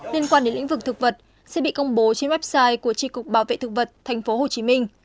liên quan đến lĩnh vực thực vật sẽ bị công bố trên website của trị cục thú y tp hcm